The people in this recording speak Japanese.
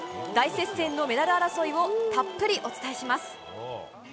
大接戦のメダル争いをたっぷりお伝えします。